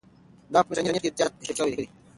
دا پوسټ په انټرنيټ کې ډېر زیات شریک شوی دی.